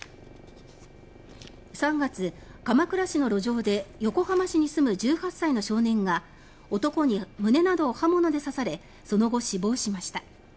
３月、鎌倉市の路上で横浜市に住む１８歳の少年が男に胸などを刃物で刺されその後、死亡しました。